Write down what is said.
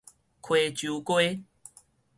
溪洲街